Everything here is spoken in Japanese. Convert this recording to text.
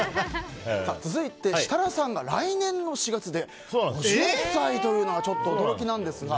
続いて設楽さんが来年の４月で５０歳というのはちょっと驚きなんですが。